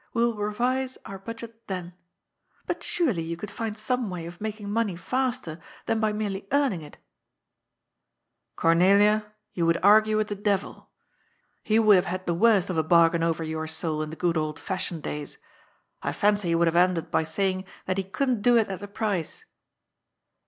We will revise our budget then. But surely you could find some way of making money faster than by merely earning it ?"*^ Cornelia, you would argue with the devil. He would have had the worst of a bargain over your soul in the good old fashioned days. I fancy he would have ended by saying that he couldn't do it at the price."